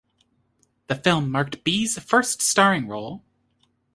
The film marked Bee's first starring role.